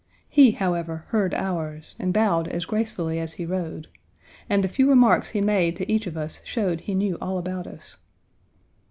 He, however, heard ours, and bowed as gracefully as he rode, and the few remarks he made to each of us showed he knew all about us.